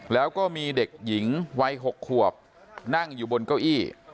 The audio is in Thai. แล้วก็มีเด็กหญิงวัย๖ขวบนั่งอยู่บนเก้าอี้